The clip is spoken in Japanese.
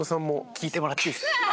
聞いてもらっていいですか？